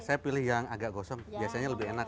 saya pilih yang agak gosong biasanya lebih enak